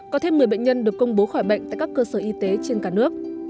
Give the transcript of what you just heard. có thêm một mươi bệnh nhân được công bố khỏi bệnh tại các cơ sở y tế trên cả nước